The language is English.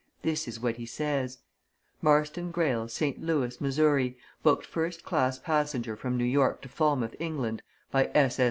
This is what he says: 'Marston Greyle, St. Louis, Missouri, booked first class passenger from New York to Falmouth, England, by S.S.